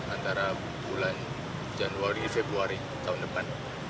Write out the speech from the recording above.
antara bulan januari februari tahun depan